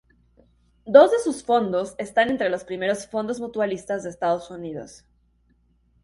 Dos de sus fondos están entre los primeros fondos mutualistas de Estados Unidos.